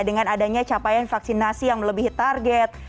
dengan adanya capaian vaksinasi yang melebihi target